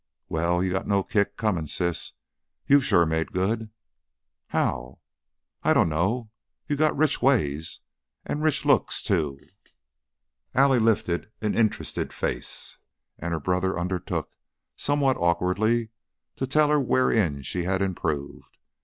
"Well, you got no kick coming, sis. You've sure made good." "How?" "I dunno You've got rich ways. An' rich looks, too!" Allie lifted an interested face, and her brother undertook, somewhat awkwardly, to tell her wherein she had improved.